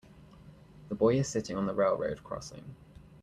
The boy is sitting on the railroad crossing.